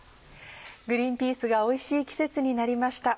グリンピースがおいしい季節になりました。